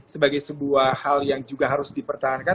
sebagai sebuah hal yang juga harus dipertahankan